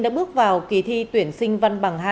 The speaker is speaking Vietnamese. đã bước vào kỳ thi tuyển sinh văn bằng hai